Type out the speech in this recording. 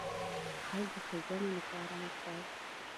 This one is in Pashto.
خلکو ښېګڼې لپاره وکړ.